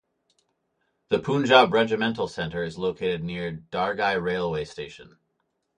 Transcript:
The Punjab Regimental Centre is located near Dargai Railway Station.